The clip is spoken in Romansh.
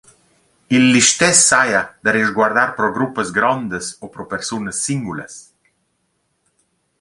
Il listess saja da resguardar pro gruppas grondas o pro persunas singulas.